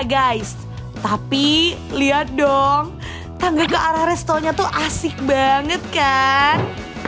guys tapi lihat dong tangga ke arah restonya tuh asik banget kan